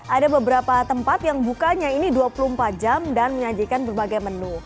ada beberapa tempat yang bukanya ini dua puluh empat jam dan menyajikan berbagai menu